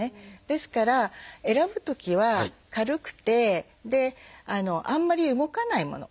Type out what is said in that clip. ですから選ぶときは軽くてあんまり動かないもの。